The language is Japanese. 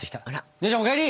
姉ちゃんお帰り！